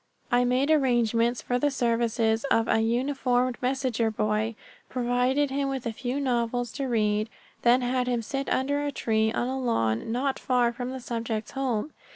I made arrangements for the services of a uniformed messenger boy, provided him with a few novels to read, then had him sit under a tree on a lawn not far from the subject's home.